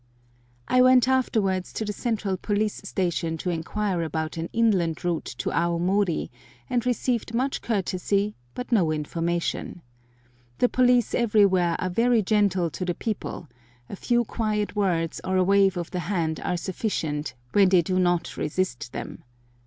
I went afterwards to the central police station to inquire about an inland route to Aomori, and received much courtesy, but no information. The police everywhere are very gentle to the people,—a few quiet words or a wave of the hand are sufficient, when they do not resist them.